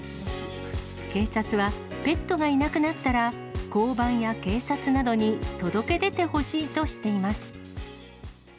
警察は、ペットがいなくなったら、交番や警察などに届け出てほしいとしています。